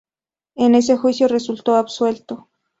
En ese juicio resultó absuelto.